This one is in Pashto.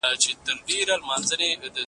هغه کتاب چې اوبه سوی و بیا ورغول سو.